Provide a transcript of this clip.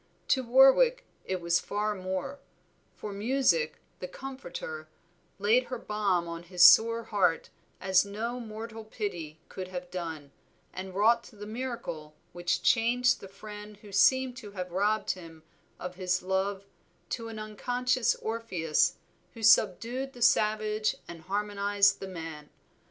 To Warwick it was far more; for music, the comforter, laid her balm on his sore heart as no mortal pity could have done, and wrought the miracle which changed the friend who seemed to have robbed him of his love to an unconscious Orpheus, who subdued the savage and harmonized the man.